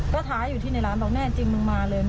ก็ท้าอยู่ที่ในร้านบอกแน่จริงมึงมาเลย